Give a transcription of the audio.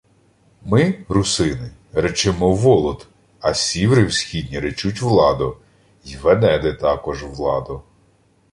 — Ми, русини, речемо Волод, а сіври всхідні речуть Владо. Й венеди такоже Владо.